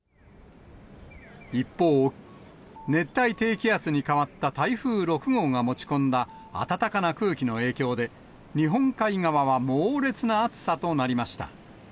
一方、熱帯低気圧に変わった台風６号が持ち込んだ暖かな空気の影響で、日本海側は猛烈な暑さとなりました。